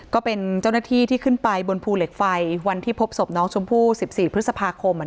ก็เป็นเจ้าหน้าที่ที่ขึ้นไปบนภูเหล็กไฟวันที่พบศพน้องชมพู่๑๔พฤษภาคม